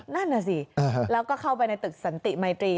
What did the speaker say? นั่นน่ะสิแล้วก็เข้าไปในตึกสันติมัยตรี